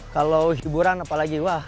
kalau hiburan apalagi wah